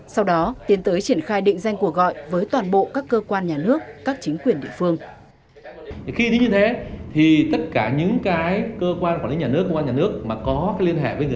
sau đó tiến tới triển khai định danh cuộc gọi với toàn bộ các cơ quan nhà nước các chính quyền địa phương